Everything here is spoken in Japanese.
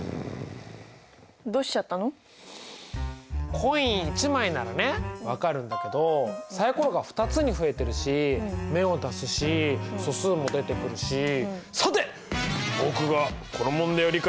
コイン１枚ならね分かるんだけどサイコロが２つに増えてるし目を足すし素数も出てくるしさてっ！